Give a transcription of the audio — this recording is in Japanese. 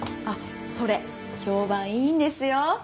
あっそれ評判いいんですよ。